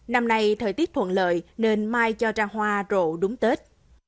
năm nay thời tiết thuận lợi nên mai cho ra hoa trộn đúng tết